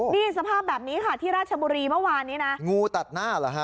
นี่สภาพแบบนี้ค่ะที่ราชบุรีเมื่อวานนี้นะงูตัดหน้าเหรอฮะ